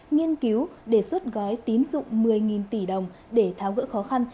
nghiên cứu đề xuất gói tín dụng một mươi tỷ đồng để tháo gỡ khó khăn